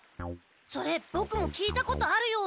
それボクも聞いたことあるような。